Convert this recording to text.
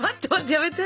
やめて。